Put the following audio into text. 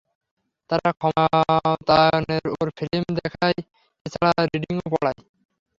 তারা ক্ষমতায়নের উপর ফ্লিম দেখায় এছাড়া রিডিংও পড়ায়।